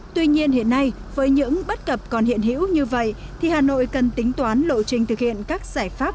tuy nhiên hiện nay với những bất cập còn hiện hữu như vậy thì hà nội cần tính toán lộ trình thực hiện các giải pháp